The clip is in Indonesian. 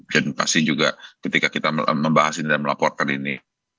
edukasi juga ketika kita membahas ini dan melaporkan ini